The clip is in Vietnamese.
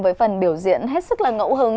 với phần biểu diễn hết sức là ngẫu hứng